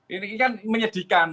ini kan menyedihkan